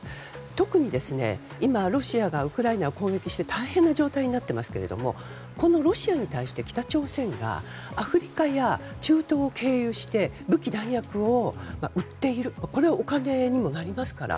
特に今、ロシアがウクライナを攻撃して大変な状態になっていますがロシアに対して北朝鮮がアフリカや中東を経由して武器・弾薬を売っているこれはお金にもなりますから。